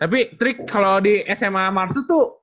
tapi trik kalau di sma marsu tuh